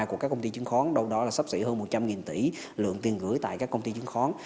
của các công ty chứng khoán đâu đó là sắp xỉ hơn một trăm linh tỷ lượng tiền gửi tại các công ty chứng khoán